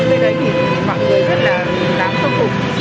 nhưng mà mọi người rất là đáng khâm phục